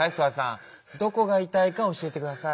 どこがいたいかおしえてください。